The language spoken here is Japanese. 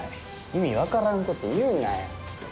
意味分からんこと言うなや。